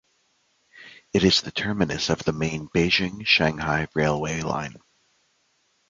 It is the terminus of the main Beijing-Shanghai railway line.